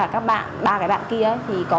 các bạn ba cái bạn kia thì có